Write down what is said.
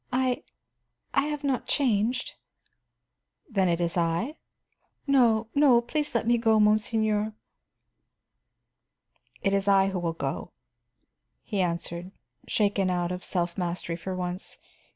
"I I have not changed." "Then it is I?" "No, no; please let me go, monseigneur." "It is I who will go," he answered, shaken out of self mastery for once.